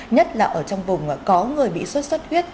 nhất là ở trong vùng có người bị sốt xuất huyết